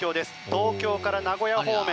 東京から名古屋方面